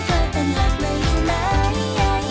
สามารถรับชมได้ทุกวัย